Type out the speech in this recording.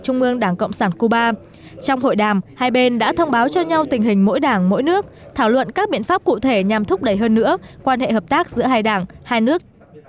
trong các hội đàm hai bên đã thông báo cho nhau tình hình mỗi đảng mỗi nước thảo luận các biện pháp cụ thể nhằm thúc đẩy hơn nữa quan hệ hợp tác giữa hai đảng hai nước